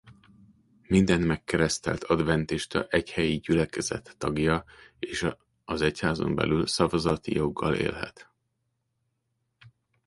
Minden megkeresztelt adventista egy helyi gyülekezet tagja és az egyházon belül szavazati joggal élhet.